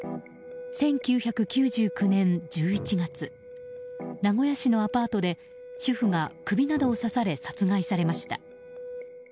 １９９９年１１月名古屋市のアパートで主婦が首などを刺され殺害されました。